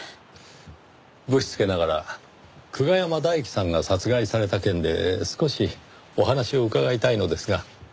ぶしつけながら久我山大樹さんが殺害された件で少しお話を伺いたいのですが。